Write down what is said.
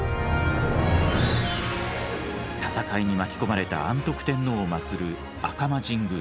戦いに巻き込まれた安徳天皇を祭る赤間神宮。